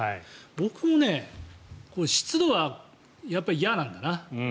僕も湿度はやっぱり嫌なんだな。